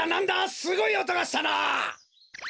すごいおとがしたな。